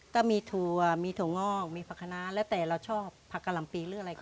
ก็มีถั่วมีถั่วงอกมีผักคณะแล้วแต่เราชอบผักกะหล่ำปีหรืออะไรก็